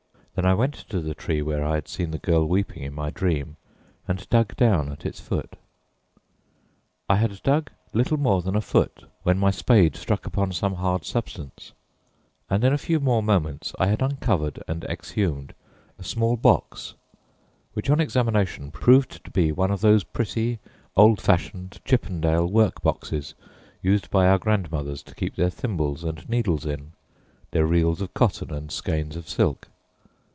Then I went to the tree where I had seen the girl weeping in my dream and dug down at its foot. I had dug little more than a foot when my spade struck upon some hard substance, and in a few more moments I had uncovered and exhumed a small box, which, on examination, proved to be one of those pretty old fashioned Chippendale work boxes used by our grandmothers to keep their thimbles and needles in, their reels of cotton and skeins of silk.